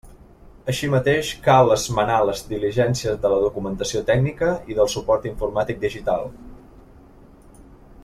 Així mateix, cal esmenar les diligències de la documentació tècnica i del suport informàtic digital.